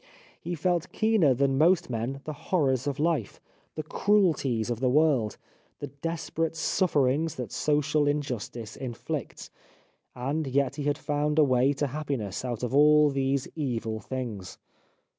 He felt keener than most men the horrors of life, the cruelties of the world, the desperate sufferings 301 The Life of Oscar Wilde that social injustice inflicts, and yet he had found a way to happiness out of all these evil things.